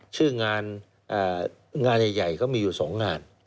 ชื่องานงานใหญ่เขามีอยู่สองงาน